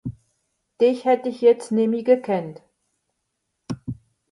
Dìch hätt ìch jetzt nemmi gekannt.